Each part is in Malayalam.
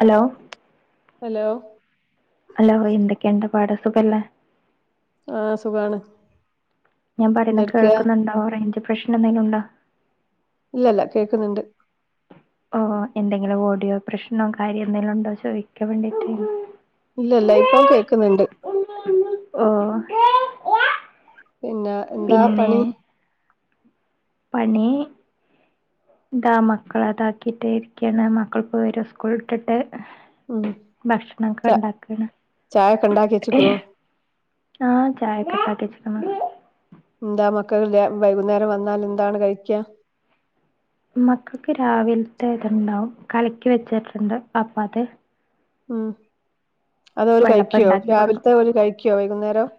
ഹലോ ഹലോ ഹലോ എന്തൊക്കേണ്ട് പാട് സുഖല്ലേ ആ സുഖാണ് ഞാൻ പറയുന്ന എന്തെടുക്കാ കേൾക്കുന്നുണ്ടോ റേഞ്ച് പ്രശ്നെന്തെങ്കിലും ണ്ടോ ഇല്ലല്ല കേക്കുന്നുണ്ട് ഓ എന്തെങ്കിലും ഓഡിയോ പ്രശ്നോ കാര്യം എന്തെങ്കിലും ഉണ്ടോ ചോദിക്കാൻ വേണ്ടിട്ടേ ഇല്ല ഇല്ല ഇപ്പം കേക്കുന്നുണ്ട് ഓ പിന്നെ എന്താ പിന്നെ പണി പണി ഇതാ മക്കളതാക്കീട്ട് ഇരിക്കയാണ് മക്കൾപ്പോ വരും സ്കൂളിട്ടിട്ട് ഉം ഭക്ഷണൊക്കെ ച ഉണ്ടാക്കണം ചായൊക്കെ ഉണ്ടാക്കി വെച്ചക്കോ ആ ചായപ്പൊ കാക്കെച്ചിക്കണ് എന്താ മക്കൾ വൈകുന്നേരം വന്നാൽ എന്താണ് കഴിക്ക മക്കൾക്ക് രാവിലത്തെ ഇതുണ്ടാവും കലക്കി വെച്ചിട്ടുണ്ട് അപ്പ അത് ഉം അതോല് വെള്ളപ്പം കഴിക്കോ ഉണ്ടാക്കി കൊടുക്കും രാവിലത്തെ ഓര് കഴിക്കോ വൈകുന്നേരം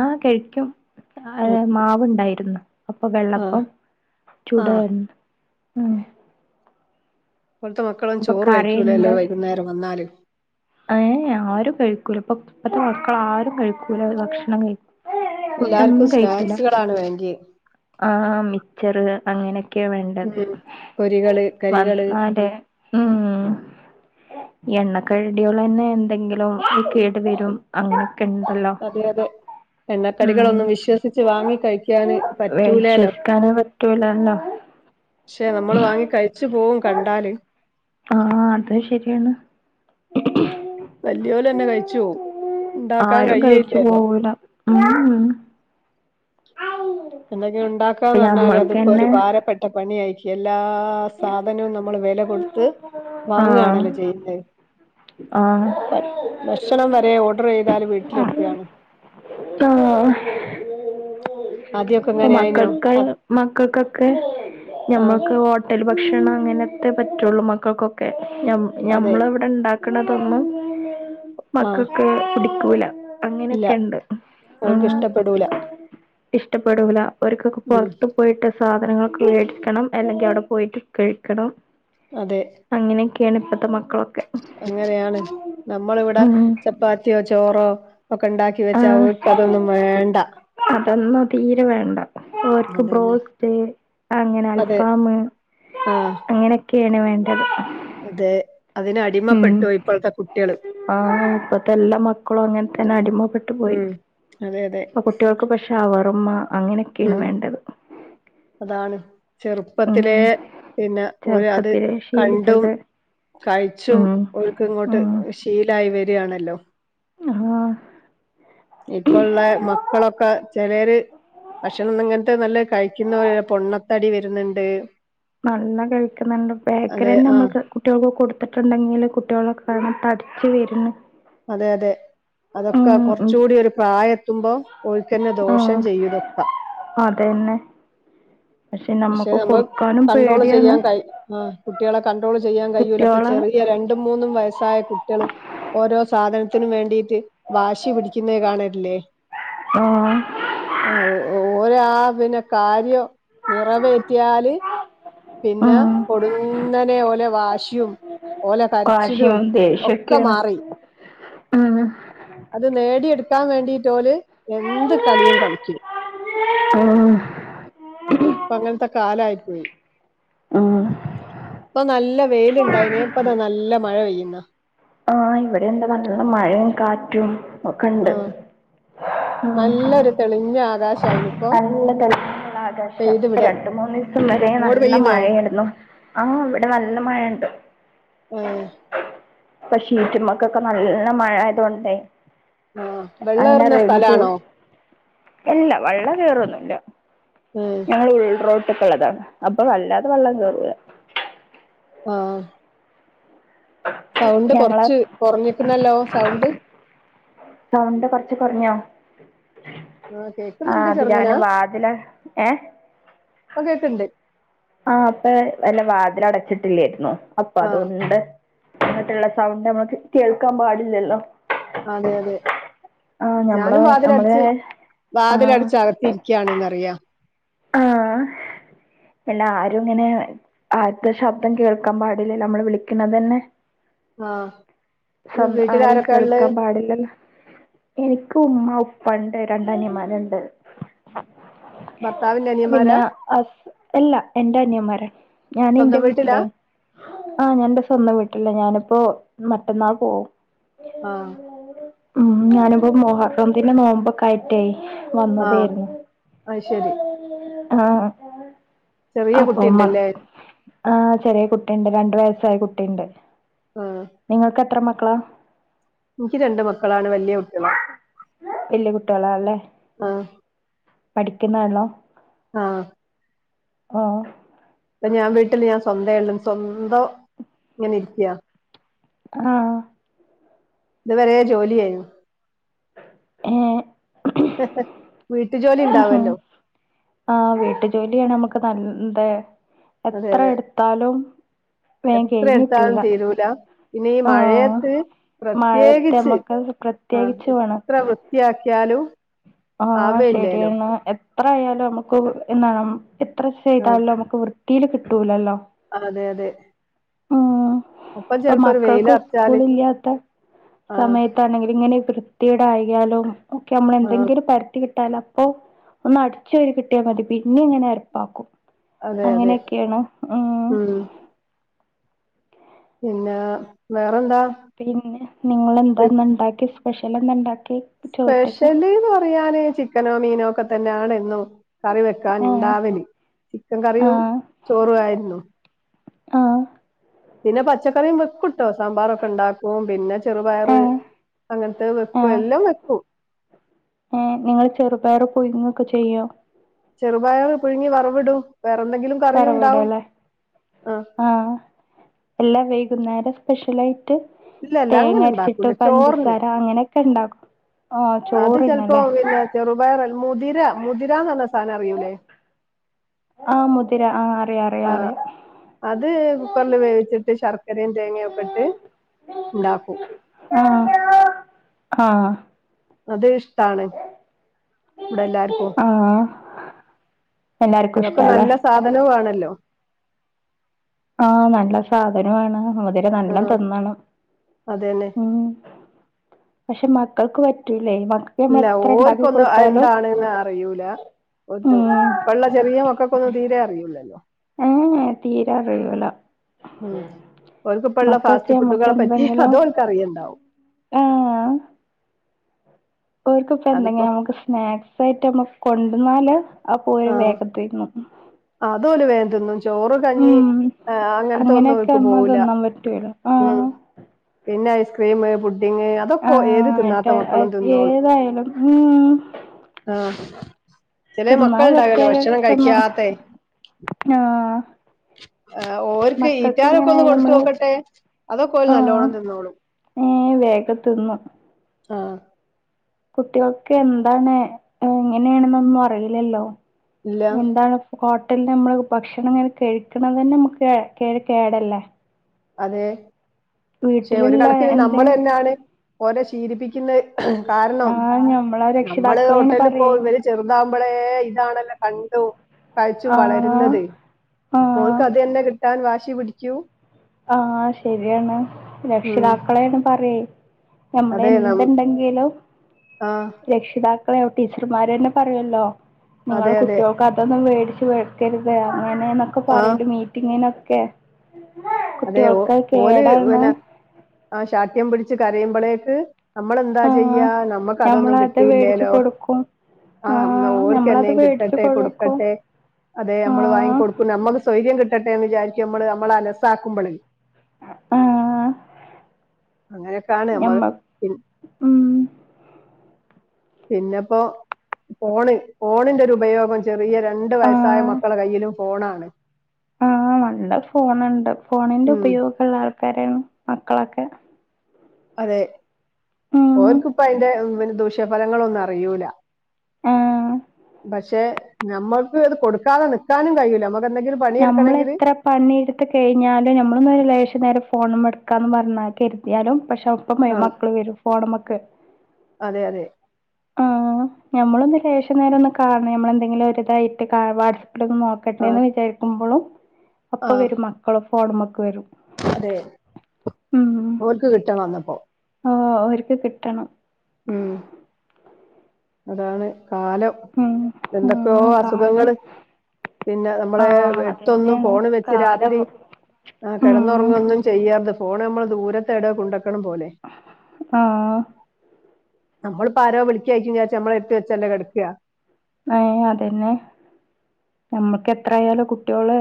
ആ കഴിക്കും അതെ മാവുണ്ടായിരുന്നു അപ്പൊ ആഹ് വെള്ളപ്പം ചൂട ആഹ് ആ ഇപ്പോളത്തെ മക്കളൊന്നും ചോറ് കഴിക്കൂലല്ലോ വൈകുന്നേരം വന്നാലും ഏ ആരും കഴിക്കൂല ഇപ്പൊ ഇപ്പത്തെ മക്കൾ ആരും കഴിക്കൂല ഭക്ഷണം കഴി എല്ലാർക്കും ഫുഡൊന്നും കഴിക്കൂല സ്നാക്സുകളാണ് വേണ്ടിയെ ആ മിച്ചറ് അങ്ങനെ ക്കെ വേണ്ടത് ഉം പൊരികള് കരികള് വന്നാല് ഉം എണ്ണ കഴടിയോളന്നെ എന്തെങ്കിലും വരും അങ്ങനെയൊക്കെ ഉണ്ടല്ലോ അതെ അതെ ഉം എണ്ണക്കടികളൊന്നും വിശ്വസിച്ച് വാങ്ങി കഴിക്കാന് പറ്റൂലലോ വിശ്വസിക്കാനേ പറ്റൂലല്ലോ പക്ഷെ നമ്മള് വാങ്ങി കഴിച്ചു പോവും കണ്ടാല് ആ അത് ശരിയാണ് വല്യോലന്നെ കഴിച്ചു പോവും ഉണ്ടാക്കാൻ ആരും കഴിച്ചു കഴിയേയില്ലല്ലോ പോവൂല എന്തെങ്കിലും ഇപ്പൊ ഉണ്ടാക്കാന്ന് പറഞ്ഞാല് അതിപ്പോ ഒരു ഞമ്മൾക്കന്നെ ഭാരപ്പെട്ട പണി ആയിക്ക് എല്ലാ സാധനവും നമ്മള് വില കൊടുത്ത് ആഹ് വാങ്ങാണല്ലോ ചെയ്യുന്നത് ആഹ് ഭക്ഷണം വരെ ഓർഡര് ചെയ്താല് വീട്ടിലെത്തിയാണ് ആ ആദ്യമൊക്കെ അപ്പൊ ഇങ്ങനെ ആയിനോ മക്കൾക്ക് മക്കൾക്കൊക്കെ ന ആ ഞമ്മൾക്ക് ഹോട്ടൽ ഭക്ഷണം അങ്ങനത്തെ പറ്റുള്ളൂ മക്കൾക്കൊക്കെ അതെ നമ്മളിവിടെണ്ടാക്ക ക്കണതൊന്നും ആഹ് മക്കൾക്ക് പുടിക്കൂല ഇല്ല അങ്ങനെയൊക്കെണ്ട് ഉം അവർക്ക് ഇഷ്ടപ്പെടൂല ഇഷ്ടപ്പെടൂല അവർക്കൊക്കെ ഉം പൊർത്തു പോയിട്ട് സാധനങ്ങക്കെ മേടിക്കണം അല്ലെങ്കിൽ അവിടെ പോയിട്ട് കഴിക്കണം അതെ യേണ് ഇപ്പോത്തെ മക്കളൊക്കെ അങ്ങനെയാണ് നമ്മളിവിടെ ഉം ചപ്പാത്തിയോ ചോറോ ഒക്കെ ഉണ്ടാക്കി ക്കി വെച്ച ആഹ് അവർക്ക് അതൊന്നും വേണ്ട അതൊന്നും തീരെ വേണ്ട അവർക്ക് അതന്നെ ബ്രോസ്റ്റ് അങ്ങനെ അൽഫാം ആ ക്കേണ് വേണ്ടത് അതെ അതിന് അടിമപ്പെട്ടു ഇപ്പോഴത്തെ കുട്ടികള്. ആ ഇപ്പത്തെ എല്ലാ മക്കളും അങ്ങനെ തന്നെ അടിമപ്പെെട്ടു പോയി. ഉം അതെ അതെ അപ്പൊ കുട്ടികൾക്ക് പക്ഷെ ആവാ അമ്മ അങ്ങനെയൊക്കെയാണ് ഉം വേണ്ടത് അതാണ് ഉം ചെറുപ്പത്തിലെ പിന്നെ ഒരു അത് ചെറുപ്പത്തിലെ കണ്ടും ശീലിച്ചത് കഴിച്ചും ഉം ഓർക്ക് ഇങ്ങോട്ട് ഉം ശീലായി വരിയാണല്ലോ. ആ ഇപ്പോ ഉള്ള മക്കളൊക്കെ ചിലര് ഭക്ഷണം ഇങ്ങനത്തെ നല്ല കഴി ക്കുന്നവര് പൊണ്ണത്തടി വരുന്നുണ്ട് നല്ല കഴിക്കുന്നുണ്ട്, ബേക്കറി അതെ തന്നെ ആഹ് നമ്മള് കുട്ടികൾക്ക് കൊടുത്തിട്ടുണ്ടെങ്കില് കുട്ടികൾക്കൊക്കെ വെച്ച് വരന്ന് അതെ അതെ അതൊക്കെ ഉം കുറച്ച് കൂടി ഒരു പ്രായം എത്തുമ്പോ ഓൾക്കന്നെ ദോഷം ചെയ്യതൊക്കാം അത് തന്നെ പക്ഷെ നമ്മുക്ക് കൊടുക്കാൻ കണ്ട്രോൾ ചെയ്യാൻ കഴ ആ കുട്ടികളെ കണ്ട്രോൾ ചെയ്യാൻ കഴിയൂല ഇപ്പ കുട്ടികളെ ചെറിയ രണ്ട് രണ്ടും മൂന്നും വയസ്സായ കുട്ടികള് ഓരോ സാധനത്തിനും വേണ്ടീട്ട് വാശി പിടിക്കുന്ന കാണലില്ലെ ആ ഒരാ പിന്നെ കാര്യം നിറവേറ്റിയാല് പിന്നെ ഉം കൊടു ഇങ്ങനെ ഓലെ വാശിയും ഓലെ കരച്ചിലും വാശിയും ഒക്കെ ദേഷ്യൊക്കെയാണ് മാറി ഉം അത് നേടിയ എടു ക്കാൻ വേണ്ടിട്ട് ഓല് എന്ത് കളിയും കളിക്കും. ഉം ഇപ്പൊ അങ്ങനത്തെ കാലയിപ്പോയി ഉം ഇപ്പൊ നല്ല വെയിലുണ്ടായിനപ്പന്നാ നല്ല മഴ പെയ്യുന്ന ആ ഇവിടെ എന്താ പറഞ്ഞുള്ള മഴയും കാറ്റും. ആ ഒക്കെണ്ട് ഉം നല്ലൊരു തെളിഞ്ഞ ആകാശായിന് ഇപ്പൊ നല്ല കള ആകാശം പെയ്ത് വിടാൻ രണ്ടു മൂന്നു ദിവസം വരെ അങ്ങോട്ട് നല്ല പെയ്യുന്നോ മഴയരുന്നു, ആ ഇവിടെ നല്ല മഴയുണ്ട്. ഉം പക്ഷെ ഷീറ്റുമക്കൊക്കെ നല്ല മഴയായത് കൊണ്ടേ ആ, വെള്ളേറുന്ന സ്ഥലാണോ? അല്ല വെള്ള കേറൊന്നുമില്ല ഉം ഞങ്ങൾ ഉള്ളോട്ട് ഉള്ളതാണ് അപ്പൊ വല്ലാതെ വെള്ളം കേറൂല ആ സൗണ്ട് ഞങ്ങളെ കൊറച്ച് കൊറഞ്ഞിട്ടുന്നല്ലോ സൗണ്ട്. സൗണ്ട് കൊറച്ച് കുറഞ്ഞോ ആ ആ കേക്കുന്നുണ്ട് അത് ചെറുങ്ങനാ ഞാനും വാതില് ഏ ഇപ്പൊ കേക്കുണ്ട് ആ അപ്പൊ വല്ല വാതില് അടച്ചിട്ടില്ലായിരുന്നു, അപ്പൊ ആ അതൊണ്ട് അങ്ങട്ടുള്ള സൗണ്ട് നമ്മക്ക് കേൾക്കാൻ പാടില്ലല്ലോ. അതെ അതെ ആ ഞമ്മള് ഞാനും നമ്മള് വാതിലടിച്ച്, ആ വാതിലടച്ച് അകത്തിയിരിക്കയാണന്നറിയാം. ആ എല്ലാ ആരും ഇങ്ങനെ അടുത്ത ശബ്ദം കേൾക്കാൻ പാടില്ല നമ്മള് വിളിക്കണ തന്നെ. ആ ഈ ശബ്ദം ആരും വീട്ടിലാരൊക്കെ ഉള്ളത് കേൾക്കാൻ പാടില്ലല്ലോ എനി ഉമ്മ ഉണ്ട്, രണ്ട് അനിയൻമാര് ഉണ്ട്. ഭർത്താവി പിന്നെ അ എല്ലാ എന്റെ അനിയന്മാര. ഞാൻ എന്റെ സ്വന്തം വീട്ടിലാ വീട്ടിലാണ്, ആ ഞ സ്വന്തം വീട്ടില, ഞാനിപ്പോ മറ്റന്നാൾ പോകും ആ ഉം ഞാനിപ്പോ മുഹറംത്തിന്റെ നോമ്പൊക്കൊയിട്ടെ ആഹ അയ്ശെരി ആഹ ചെറിയ കുട്ടി ഉണ്ടല്ലേ ആഹ് ചെറിയ കുട്ടിണ്ട് രണ്ട് വയസ്സായ കുട്ടി ഉണ്ട് ആ നിങ്ങൾക്ക് എത്ര മക്ക ക്കള എനിക്ക് രണ്ട് മക്കളാണ് വലിയ കുട്ടികളാ വല്യ ആഹ് പഠിക്കുന്നോള്ളു ആഹ ആഹ ഇപ്പൊ ഞാൻ വീട്ടില് ഞാൻ സ്വന്തം ഒള്ളു സ്വന്തം ഇങ്ങനെ ഇരിക്ക്യാ ആഹ ഇത് വരെ ജോലിയായിരുന്നു വ [unintelligible] മ്മ് ആ വീട്ടു ജോലിയാണ് നമ്മുക്ക് നല്ലത് അതെ എത്ര അതെ എടുത്താലും വേം എത്ര എടുത്താലും കഴിഞ്ഞിട്ടൂല തീരൂല ഇനി ഈ ആഹ് മഴയത്ത് മഴയത്ത് പ്രത്യേകിച്ച് നമ്മക്ക് ആ പ്രത്യേകിച്ച് എത്ര വൃത്തിയാക്കിയാലും ആ ആവയില്ലേലോ ശരിയാണ് എത്ര ആയാലും നമ്മുക്ക് എന്താണ് എത്ര ആ ചെയ്താലും നമുക്ക് വൃത്തീല് കിട്ടൂലല്ലോ അതെ അതെ ഉം അപ്പൊ ഇപ്പൊ ചെലപ്പോ ഒരു മക്കൾക്ക് സ്കൂൾ വെയിലറച്ചാല് ഇല്ലാത്ത ആ സമയത്താണെങ്കിൽ ഇങ്ങനെ വൃത്തിയേട് ആായികല്ലോ ഓക്കെമ്മൾ ആ എന്തെങ്കിലും കട്ടാൽ അപ്പോ ഒന്ന് അടിച്ചുവാരി കിട്ടിയാൽ മതി പിന്നെ ഇങ്ങനെ ഏരപ്പാക്കും അതെ അതെ അങ്ങനെയൊക്കെയാണ് മ്മ് ഉം പിന്നെ വേറെന്താ പിന്നെ നിങ്ങളെന്താ ഇന്ന് ഉണ്ടാക്കി സ്പെഷ്യൽ എന്താ ഉണ്ടാക്കി ചോറ്റക്ക് സ്പെഷ്യല്ന്ന് പറയാന്ന് ചിക്കനോ മീനോ ഒക്കെ തന്നെയാണ് എന്നും കറി വെക്കാൻ ആഹ് ഉണ്ടാവല് ചിക്കൻ കറിയും ആഹ് ചോറും ആയിരുന്നു ആഹ് പിന്നെ പച്ചക്കറിയും വെക്കുട്ടോ സാമ്പാറൊക്കെ ഉണ്ടാക്കും പിന്നെ ചെറുപയറ് ആഹ് അങ്ങനത്തെ വെക്കും എല്ലാം വെക്കൂ ഏ നിങ്ങള് ചെറുപയറ് പുഴുങ്ങക്കെ ചെയ്യോ ചെറുപയർ പുഴുങ്ങി വറവിടും വേറെന്തെങ്കിലും കറിയും ഉണ്ടാവും വരവിടല്ലേ ആ എല്ലാ വൈകുന്നേരം സ്പെഷ്യലായിട്ട് ഇല്ല ഇല്ല അങ്ങനെ തേങ്ങ അരച്ചിട്ട് ഉണ്ടാക്കൂല ചോറിന് പഞ്ചസാര അങ്ങനെയൊക്കെ ഉണ്ടാകും അത് ചെലപ്പോ പിന്നെ ചെറുപയർല്ല മുതിര മുതിരാന്ന് പറഞ്ഞ സാധനം അറിയൂലേ ആഹ് മുതിര ആഹ് അറിയാം അറിയാം ആഹ അറിയാം അത് കുക്കറില് വേവിച്ചിട്ട് ശർക്കരയും തേങ്ങയും ഒക്കെ ഇട്ട് ഉണ്ടാക്കും ആഹ അത് ഇഷ്ടാണ് ഇവിടെ എല്ലാർക്കും ആ അതൊക്കെ നല്ല സാധനവും ആണല്ലോ ആഹ നല്ല സാധനമാണ് മുതിര ആ നല്ലോ തിന്നണം അതന്നെ മ്മ് പക്ഷെ മക്കൾക്ക് പറ്റൂ ഇല്ല ഓർക്കൊന്നും എന്താണെന്ന് അറിയൂല ഇപ്പൊ ഉം ഉള്ള ചെറിയ മക്കൾക്കൊന്നും തീരെ അറിയില്ലല്ലോ ഏഹ് ഏഹ് തീരെ അറിയില്ല ഉം ഓൾക്കുപ്പുള്ള ഫാസ്റ്റ് നമ്മുക്ക് ഫുഡുകളെ പറ്റി എന്തെങ്കിലും അതും ഓല്ക്ക് അറിയണ്ടാവും. [inaudible] ഓൽക്കൊക്കെ എന്തെ അതിപ്പോ നമുക്ക് സ്നാക്സ് ആയിട്ട് നമ്മ കൊണ്ടന്നാല് ആ പോയ് വേഗത്തിന്നു അത് ഓല് വേഗം പോയി തിന്നും ചോറ് കഞ്ഞി ആ അങ്ങനത്തെ ഒന്നും അങ്ങനെയൊക്കെ ഓല്ക്ക് നമ്മ പോവൂല്ല തിന്നാൻ പറ്റൂല ഉം ആഹ് പിന്നെ ഐസ്ക്രീമ്മ് പു പുഡിങ് അതൊക്കെ ഏത് ആഹ് തിന്നാത്ത ട്ട മക്കളും തിന്നോളു ഏതായാലും ഉം ആ ആ [inaudible] ചെല തിന്നാൻ മക്കൾണ്ടാകല്ലോ പറ്റിയാല് ഭക്ഷണം തിന്നും കഴിക്കാത്തെ ആഹ് ആ ഓർക്ക് മക്കൾക്ക് ഈറ്റാലൊക്കെ ഒന്ന് എങ്ങനെയാലും നമ്മള് കൊടുതൊക്കട്ടെ അതൊക്കെ ഓൽ ആഹ് നല്ലോണ്ണം തിന്നോളും. ആ [unintelligible] ആ കുട്ടികൾക്ക് എന്താണ് എങ്ങനെയാണെന്നൊന്നും അറിയില്ലല്ലോ. ഇല്ല എന്താണിപ്പ എന്താ നമ്മള് ഭക്ഷണം ഇങ്ങനെ കഴിക്കണതന്നെ.. നമ്മുക്ക് കെ.. കേടല്ലേ.. അതെ.. പക്ഷെ, ഒരു വീട്ടിലുള്ള കണക്കിന് എന്തേ നമ്മള് തന്നെയാണ്.. ഓരെ ശീലിപ്പിക്കുന്നത്. കാരണം.. ആഹ് ഞമ്മളെ നമ്മള് രക്ഷിതാക്കളെയാണ് ഹോട്ടലിൽ പറയേ പോകും ഇവര് ചെറുതാകുമ്പളേ... ഇതാണല്ലോ കൺ കഴിച്ചും ആഹ് വളരുന്നതേ... ആഹ് അപ്പോൽക്ക് അതന്നെ കിട്ടാൻ വാശി പിടിക്കൂ. ങാ... ശരിയാണ്.. ഉം രക്ഷിതാക്കളെയാണ് പറയെ. നമ്മള് അതെ നം എന്ത്‌ണ്ടെങ്കിലും ആ രക്ഷിതാ ക്കളെയാ... ടീച്ചർമാര് തന്നെ പറയല്ലോ... അതെ നിങ്ങള് അതെ കുട്ടികൾക്ക് അതൊന്നും വേടിച്ച് വെക്കരുതേന്ന് അങ്ങനെയെന്നൊക്കയ ആ പറയല് മീറ്റിങ്ങിനൊക്കെ. അതെ.. ഓ.. കുട്ടികൾക്ക് ഓല്... കേടാണ് പിന്നെ.. ങാ.. ശാഠ്യം പിടിച്ച് കരയുമ്പളേക്ക് നമ്മളെന്താ ആഹ് ചെയ്യാ... നമ്മക്ക് അതൊന്നും ഞമ്മളത് മേടിച്ചു കിട്ടീല്ലേലോ... കൊടുക്കും ങാ... ആഹ് ഞമ്മളത് ഓർക്കെന്നേം മേടിച്ചു കിട്ടട്ടെ.. കൊടുക്കും കൊടുക്കട്ടെ അതെ.. നമ്മള് ആഹ് വാങ്ങിക്കൊടുക്കും. നമ്മക്ക് സ്വൈര്യം കിട്ടെ എന്ന് വിചാരിക്കും നമ്മള്.. നമ്മളെ... അലസാക്കുമ്പളേ ആഹ് [inaudible] അങ്ങനെയൊക്കെയാണ് മ്മള് ഞമ്മ പി ഉം പിന്നെപ്പോ... പോണ്. ഫോണിന്റെ ഒരുപയോഗം... ചെറിയ രണ്ടു വയസ്സായ മക്കള കയ്യിലും ഫോണാണ്. ങാ... നല്ല ഫോണുണ്ട്. ഫോണിന്റെ ഉം ഉപയോഗുള്ള ആൾക്ക് ക്കാരാണ്.. മക്കളൊക്കെ. അതെ... ഉം ഓൽക്കി‌പ്പം അയിന്റെ.. പിന്നെ.. ദൂഷ്യഫലങ്ങളൊന്നും അറിയൂല. ആഹ് പക്ഷേ... നമ്മൾക്ക് ഇത് കൊടുക്കാതെ നിക്കാനും കഴിയിൂല.. നമ്മുക്ക് നമ്മളെത്ര പണി എടുത്ത് കഴിഞ്ഞാലും നമ്മളൊന്നും അയിന് ലേശ നേരം ഫോണൊന്നു എടുക്കാന്ന് പറഞ്ഞാ കരുതിയാലും പക്ഷേ... അപ്പ ആ മക്കള് വരും.. ഫോണ്മ്മേക്ക്. അതെ അതെ ങാ... നമ്മളൊന്ന് ലേശം നേരം ഒന്ന് കാണ്കയാ... നമ്മളെന്തെങ്കിലും ഒരിതായിട്ട് ക വാട്സ് അവിടൊന്ന് ആ നോക്കട്ടെന്ന് വിചാരിക്കുമ്പോളും... അപ്പവരും മക്കള് ഫോണ്മ്മേക്ക് വരും. അതേ... ഉം ഓല്ക്ക് കിട്ടണം അന്നപ്പോ. അവര്ക്ക് കിട്ടണം. ഉം... അതാണ്... കാലം.. ഉം എന്തൊക്കെയോ ഉം കാലം അസുഖങ്ങള് പിന്നെ.. നമ്മള്.. ആഹ് അടുത്തൊന്നും അതന്നേണ് ഫോണ് വെച്ച് കാലം രാത്രി ങാ... ഉം കിടന്നുറങ്ങൊന്നും ചെയ്യരുത്, ഫോണ് നമ്മള് ദൂരത്തേടയാ കൊണ്ട ങാ... നമ്മളിപ്പോ ആരോ വിളിക്കുവായിരിക്കുന്ന് വിചാരിച്ച് നമ്മളടുത്ത് വെച്ചല്ലേ കെടക്ക്കാ.. ങേ... അതന്നെ.. നമ്മൾക്ക് എത്രായാലും കുട്ട്യോള്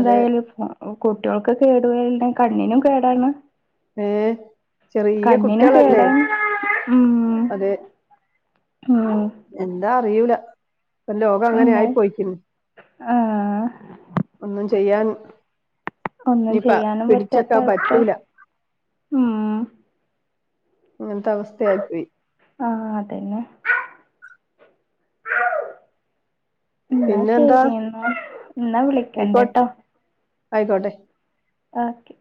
അതെ കുട്ട്യാൾക്കും കേടു [unintelligible] കണ്ണിനും കേടാണ്.. ഏ ചെറിയ കണ്ണിനും കുട്ടികളല്ലേ കേടാണ്... ഉം.... അതെ ഉം... കയൂല.. പ്പം ലോകം അങ്ങനെ ആയി എന്നാൽ പോയിക്ക്ണ്. ആഹ് ഒന്നും ചെയ്യാൻ ഒന്നും ഇനിയിപ്പ ചെയ്യാനും പറ്റാത്ത പിടിച്ചെക്കാൻ അവസ്ഥ.. പറ്റൂല ഉം... അങ്ങനത്തെ അവസ്ഥയായിപ്പോയി ആഹ് അതന്നെ എന്നാ പിന്നെന്താ ശരി.. എന്നാ.. എന്നാ ആയിക്കോ വിളിക്കണ്ട ട്ടോ. ആയിക്കോട്ടെ. ഓക്കെ.